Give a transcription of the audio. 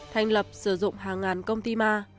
thành lập sử dụng hàng ngàn công ty ma